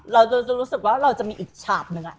เราจะรู้สึกว่าเราจะมีอีกฉากหนึ่ง